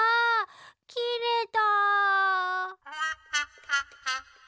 きれた。